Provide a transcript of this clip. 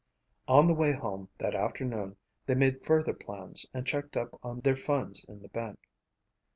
On the way home that afternoon they made further plans and checked up on their funds in the bank.